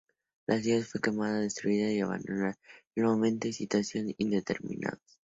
La ciudad fue quemada, destruida y abandonada en momento y situación indeterminados.